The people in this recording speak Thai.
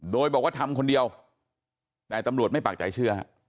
โดยบอกว่าทำคนเดียวแต่ตำรวจไม่ปากใจเชื่อ